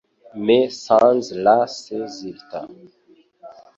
mais sans résultat